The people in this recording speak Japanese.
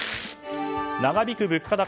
長引く物価高